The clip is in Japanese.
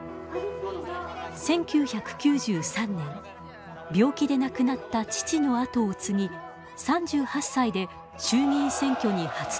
１９９３年病気で亡くなった父の跡を継ぎ３８歳で衆議院選挙に初当選しました。